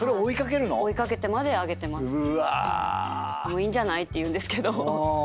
もういいんじゃない？って言うんですけど。